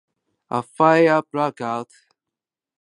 A fire broke out, but all residents were evacuated in time.